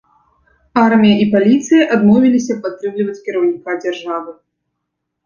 Армія і паліцыя адмовіліся падтрымліваць кіраўніка дзяржавы.